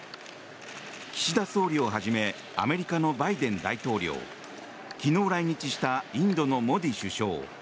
岸田総理をはじめアメリカのバイデン大統領昨日来日したインドのモディ首相